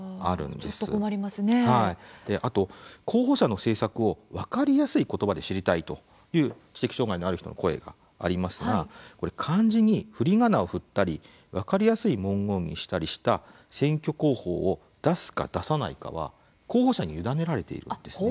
あと「候補者の政策を分かりやすい言葉で知りたい」という知的障害のある人の声がありますがこれ漢字に振り仮名をふったり分かりやすい文言にしたりした選挙公報を出すか出さないかは候補者に委ねられているんですね。